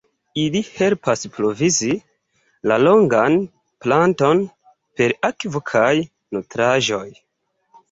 Ili helpas provizi la longan planton per akvo kaj nutraĵoj.